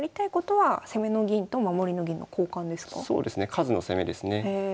数の攻めですね。